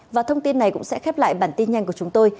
và thông tin này cũng sẽ khép lại bản tin nhanh của chúng tôi